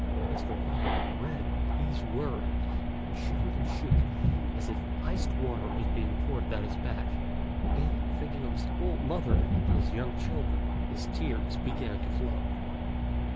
When Mr. Hua read these words he shivered and shook as if iced water was being poured down his back, and thinking of his old mother and his young children, his tears began to flow.